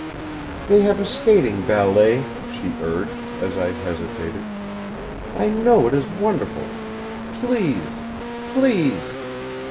"They have a skating ballet," she urged, as I hesitated. "I know it is wonderful! Please, please